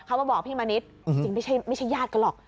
เขามาบอกพี่มณิษฐ์จริงไม่ใช่ญาติกันหรอก